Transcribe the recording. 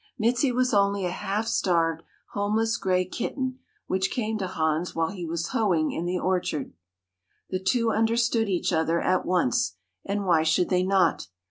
Mizi was only a half starved, homeless, gray kitten which came to Hans while he was hoeing in the orchard. The two understood each other at once, and why should they not?